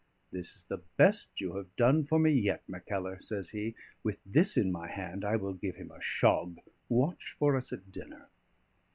"This is the best you have done for me yet, Mackellar," says he. "With this in my hand I will give him a shog. Watch for us at dinner."